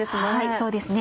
そうですね